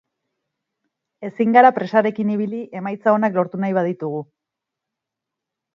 Ezin gara presarekin ibili emaitza onak lortu nahi baditugu.